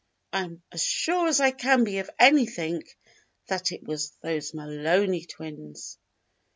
I am as sure as I can be of anything that it was those Mahoney twins."